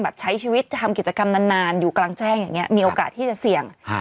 แบบใช้ชีวิตทำกิจกรรมนานอยู่กลางแจ้งมีโอกาสที่จะเสี่ยง